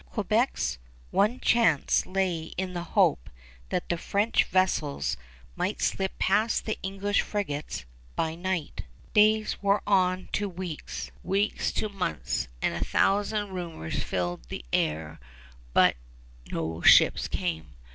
Quebec's one chance lay in the hope that the French vessels might slip past the English frigates by night. Days wore on to weeks, weeks to months, and a thousand rumors filled the air; but no ships came.